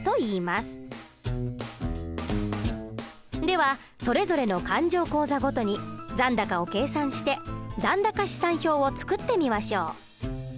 ではそれぞれの勘定口座ごとに残高を計算して残高試算表を作ってみましょう。